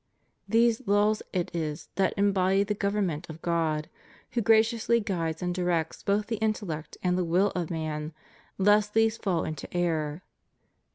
These laws it is that embody the government of God, who graciously guides and directs both the intellect and the will of man lest these fall into error.